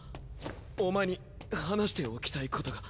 お前に話しておきたいことが。